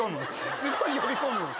すごい呼び込む。